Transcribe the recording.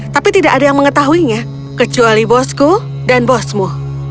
tapi tidak ada yang mengetahuinya kecuali bosku dan bosmu